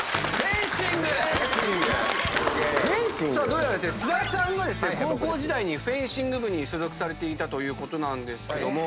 どうやら津田さんが高校時代にフェンシング部に所属されていたということなんですけども。